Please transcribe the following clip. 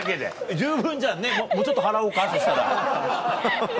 十分じゃんねもうちょっと払おうかそしたら。